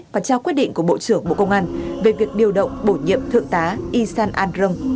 và trao quyết định của bộ trưởng bộ công an về việc điều động bổ nhiệm thượng tá isan andron